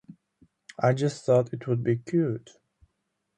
I just thought it would be cute.